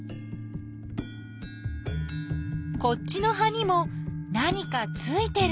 こっちの葉にも何かついてる。